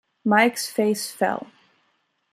Mike's face fell.